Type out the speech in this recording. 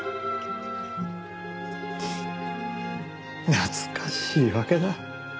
フッ懐かしいわけだ。